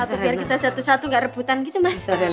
biar kita satu satu gak rebutan gitu mas